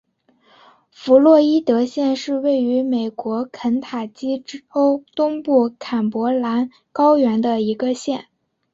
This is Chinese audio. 弗洛伊德县是位于美国肯塔基州东部坎伯兰高原的一个县。